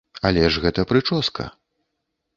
Але ж гэта прычоска.